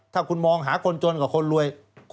ถ้าคุณมองหาคนจนกับคนรวย